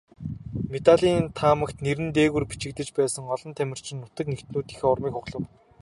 Медалийн таамагт нэр нь дээгүүр бичигдэж байсан олон тамирчин нутаг нэгтнүүдийнхээ урмыг хугалав.